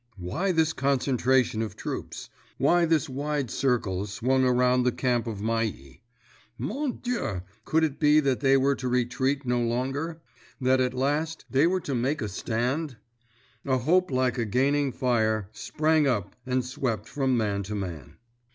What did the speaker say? Why this concentration of troops? Why this wide circle swung around the camp of Mailly? Mon Dieu! could it be that they were to retreat no longer? That, at last, they were to make a stand? A hope like a gaining fire sprang up and swept from man to man.